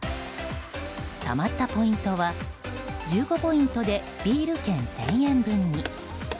たまったポイントは１５ポイントでビール券１０００円分に。